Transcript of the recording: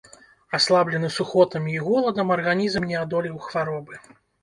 Аслаблены сухотамі і голадам арганізм не адолеў хваробы.